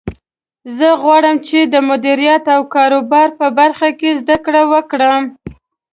زه غواړم چې د مدیریت او کاروبار په برخه کې زده کړه وکړم